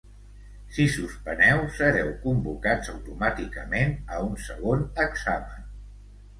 Si suspeneu, sereu convocats automàticament a un segon examen.